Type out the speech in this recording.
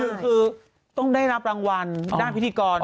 คือต้องได้รับรางวัลด้านพิธีกร